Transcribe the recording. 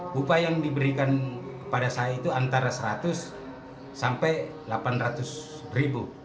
bupa yang diberikan kepada saya itu antara seratus sampai delapan ratus ribu